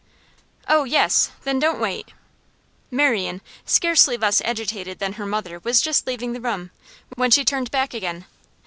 'Oh yes! Then don't wait.' Marian, scarcely less agitated than her mother, was just leaving the room, when she turned back again.